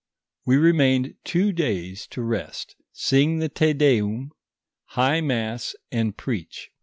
We remained two days to rest, sing the Te Deum, high mass, and preach.